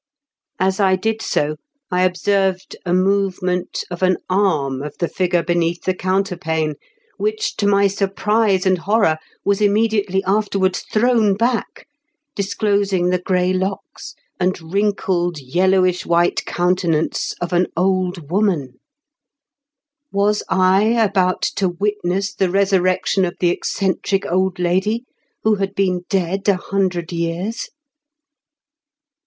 As I did so, I observed a movement of an arm of the figure beneath the counterpane, which, to my surprise and horror, was imme diately afterwards thrown back, disclosing the gray locks and wrinkled yellowish white A mOET IN A HAUNTED HOUSE. 241 countenance of an old woman 1 Was I about to witness the resurrection of the eccentric old lady who had been dead a hundred years